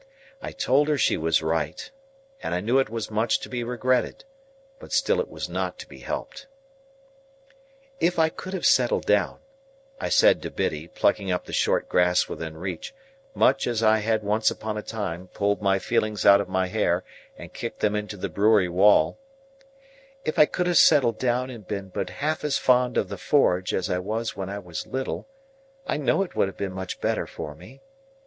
I told her she was right, and I knew it was much to be regretted, but still it was not to be helped. "If I could have settled down," I said to Biddy, plucking up the short grass within reach, much as I had once upon a time pulled my feelings out of my hair and kicked them into the brewery wall,—"if I could have settled down and been but half as fond of the forge as I was when I was little, I know it would have been much better for me.